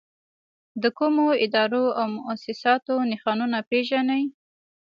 د کومو ادارو او مؤسساتو نښانونه پېژنئ؟